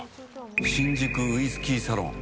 新宿ウィスキーサロン